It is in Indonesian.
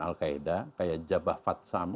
al qaeda kayak jabah fatsam